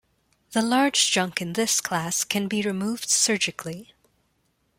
The large junk in this class can be removed surgically.